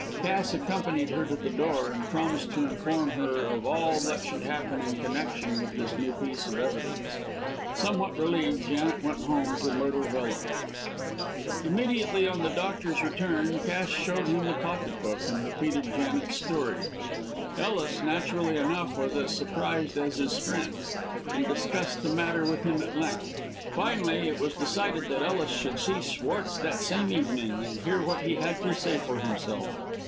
Cass accompanied her to the door, and promised to inform her of all that should happen in connection with this new piece of evidence. Somewhat relieved, Janet went home to Myrtle Villa. Immediately on the doctor's return, Cass showed him the pocket book, and repeated Janet's story. Ellis, naturally enough, was as surprised as his friend, and discussed the matter with him at length. Finally, it was decided that Ellis should see Schwartz that same evening, and hear what he had to say for himself.